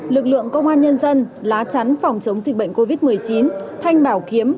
lực lượng công an nhân dân lá chắn phòng chống dịch bệnh covid một mươi chín thanh bảo kiếm